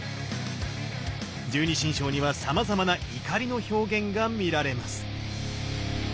十二神将にはさまざまな怒りの表現が見られます。